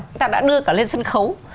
chúng ta đã đưa cả lên sân khấu